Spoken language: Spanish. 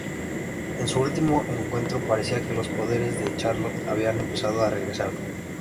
En su último encuentro parecía que los poderes de Charlotte habían empezado a regresar.